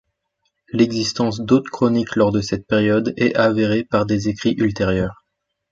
L'existence d'autres chroniques lors de cette période est avérée par des écrits ultérieurs.